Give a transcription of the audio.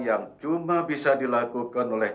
yang cuma bisa dilakukan oleh